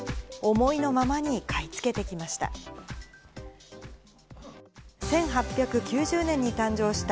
思いのままに買い付けてきました。